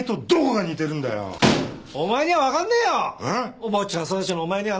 お坊ちゃん育ちのお前にはな！